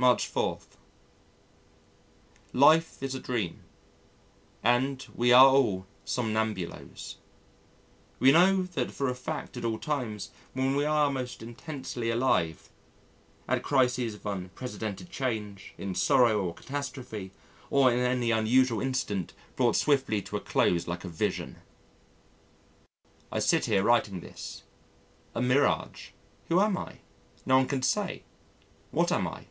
March 4. Life is a dream and we are all somnambuloes. We know that for a fact at all times when we are most intensely alive at crises of unprecedented change, in sorrow or catastrophe, or in any unusual incident brought swiftly to a close like a vision! I sit here writing this a mirage! Who am I? No one can say. What am I?